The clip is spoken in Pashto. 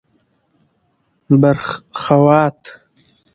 بر خوات: